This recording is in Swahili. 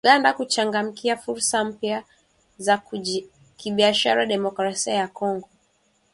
Uganda kuchangamkia fursa mpya za kibiashara Demokrasia ya Kongo